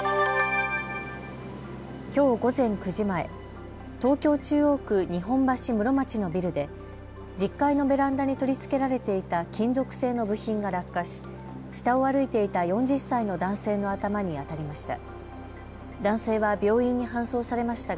きょう午前９時前、東京中央区日本橋室町のビルで１０階のベランダに取り付けられていた金属製の部品が落下し下を歩いていた４０歳の男性の頭に当たりました。